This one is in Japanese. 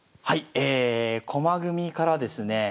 はいえ駒組みからですね